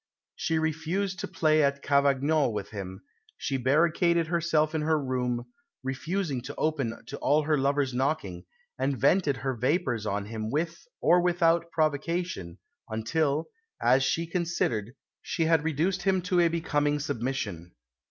She refused to play at cavagnol with him; she barricaded herself in her room, refusing to open to all her lover's knocking; and vented her vapours on him with, or without, provocation, until, as she considered, she had reduced him to a becoming submission.